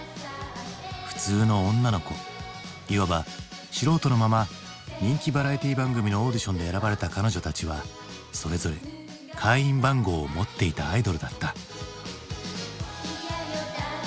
普通の女の子いわば素人のまま人気バラエティー番組のオーディションで選ばれた彼女たちはそれぞれ会員番号を持っていたアイドルだった。